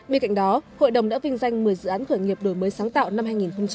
bên cạnh đó hội đồng đã vinh danh một mươi dự án khởi nghiệp đổi mới sáng tạo năm hai nghìn hai mươi